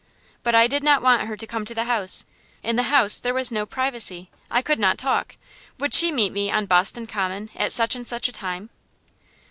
But I did not want her to come to the house. In the house there was no privacy; I could not talk. Would she meet me on Boston Common at such and such a time?